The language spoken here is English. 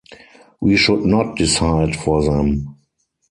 We should not decide for them.